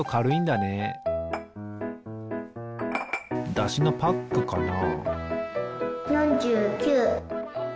だしのパックかな？